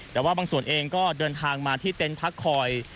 แต่ว่าบางส่วนเองก็เดินทางมาที่เต็นต์พักคอย